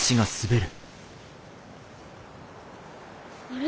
あれ？